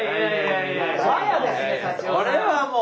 これはもう。